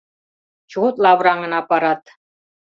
Чот лавыраҥын аппарат